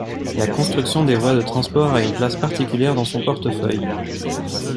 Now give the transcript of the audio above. La construction de voies de transport à une place particulière dans son portefeuille.